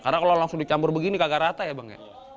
karena kalau langsung dicampur begini kagak rata ya bang